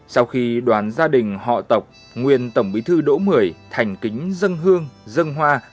sau khi đoàn gia đình họ tộc nguyên tổng bí thư đỗ mười thành kính dân hương dân hoa